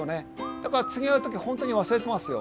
だから次会う時本当に忘れてますよ。